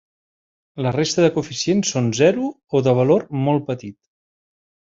La resta de coeficients són zero o de valor molt petit.